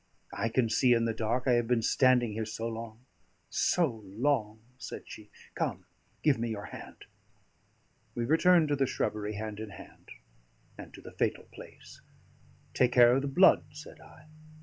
"I can see in the dark. I have been standing here so long so long," said she. "Come, give me your hand." We returned to the shrubbery hand in hand, and to the fatal place. "Take care of the blood," said I.